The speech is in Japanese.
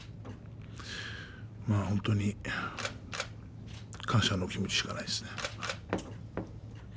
まあ本当に感謝の気持ちしかないです。